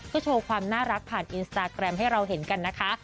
ก็โชว์ความน่ารักผ่านอินสตาแกรมให้เราเห็นกันนะคะ